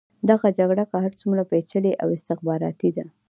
دغه جګړه که هر څومره پېچلې او استخباراتي ده.